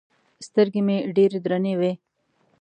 سترګې مې ډېرې درنې وې.